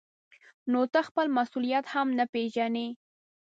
نو ته خپل مسؤلیت هم نه پېژنې.